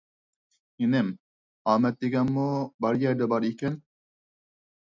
ئىنىم، ئامەت دېگەنمۇ بار يەردە بار ئىكەن.